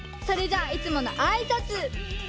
それじゃあいつものあいさつ！